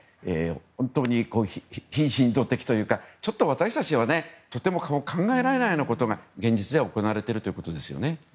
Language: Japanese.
本当に非人道的というかちょっと私たちはとても考えられないようなことが現実では行われているということですね。